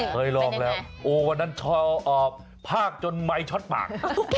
เคยลองแล้วโอ้วันนั้นชอบออกภาคจนไมค็อตปาก